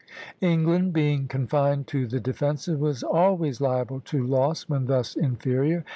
England, being confined to the defensive, was always liable to loss when thus inferior.